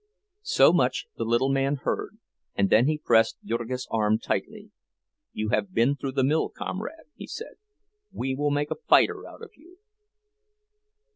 So much the little man heard, and then he pressed Jurgis's arm tightly. "You have been through the mill, comrade!" he said. "We will make a fighter out of you!"